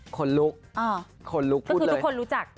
ก็คือทุกคนรู้จัก